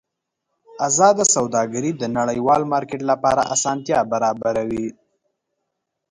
ازاده سوداګري د نړیوال مارکېټ لپاره اسانتیا برابروي.